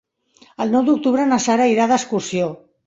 El nou d'octubre na Sara irà d'excursió.